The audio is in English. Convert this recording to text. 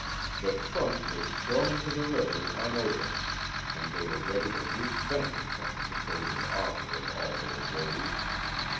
The trunk was thrown into the river un opened, and they were ready to wreak vengeance on the supposed author of all their woes.